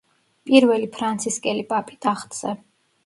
პირველი ფრანცისკელი პაპი ტახტზე.